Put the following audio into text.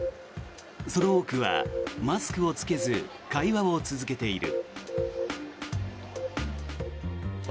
その多くはマスクを着けず会話を続けている。